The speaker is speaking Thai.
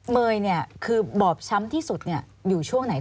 เมย์คือบอบช้ำที่สุดอยู่ช่วงไหน